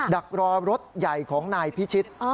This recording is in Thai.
ดักรอรถใหญ่ของนายพิชิต